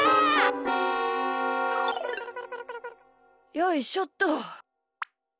よいしょっと。